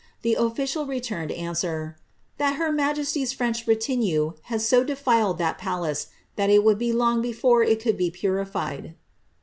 The official returned answer, ^ that her ma jesty's French retinue had so defiled that palace, that it would be long before it could be purified.''